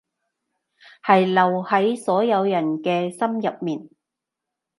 係留喺所有人嘅心入面